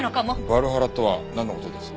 ヴァルハラとはなんの事です？